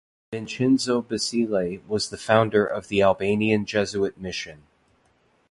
Vincenzo Basile was the founder of the Albanian Jesuit mission.